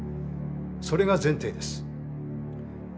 それが前提です。